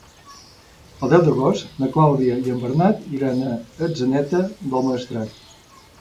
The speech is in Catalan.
El deu d'agost na Clàudia i en Bernat iran a Atzeneta del Maestrat.